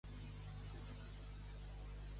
Més llépol que un gat d'hostal.